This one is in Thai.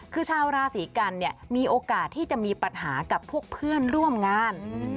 คือชาวราศีกันเนี่ยมีโอกาสที่จะมีปัญหากับพวกเพื่อนร่วมงาน